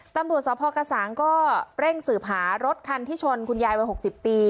ตำรวจสพกระสังก็เร่งสืบหารถคันที่ชนคุณยายวัย๖๐ปี